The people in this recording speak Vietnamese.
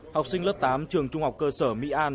học sinh lớp tám trường trung học cơ sở mỹ an